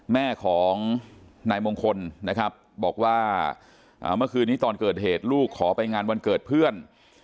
แม่ของนายมงคลนะครับบอกว่าเมื่อคืนนี้ตอนเกิดเหตุลูกขอไปงานวันเกิดเพื่อน